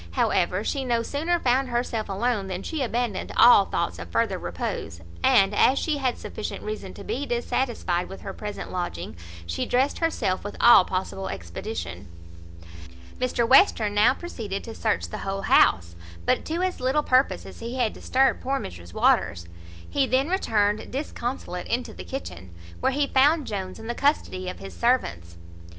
However, she no sooner found herself alone than she abandoned all thoughts of further repose; and, as she had sufficient reason to be dissatisfied with her present lodging, she dressed herself with all possible expedition. Mr Western now proceeded to search the whole house, but to as little purpose as he had disturbed poor Mrs Waters. He then returned disconsolate into the kitchen, where he found Jones in the custody of his servants.